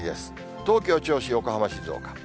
東京、銚子、横浜、静岡。